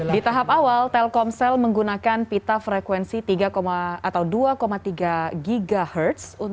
di tahap awal telkomsel menggunakan pita frekuensi dua tiga ghz untuk menyelenggarakan layanan lima g